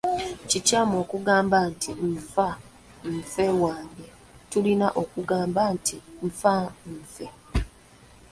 Kikyamu okugamba nti nfa, nfe wange, tulina kugamba nti ffa, nfe.